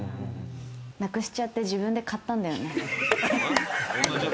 なくしちゃって、自分で買ったんだよね。